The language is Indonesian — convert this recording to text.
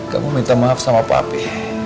kamu minta maaf sama papi